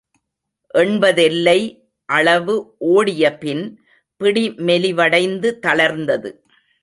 எண்பதெல்லை அளவு ஓடியபின் பிடி மெலிவடைந்து தளர்ந்தது.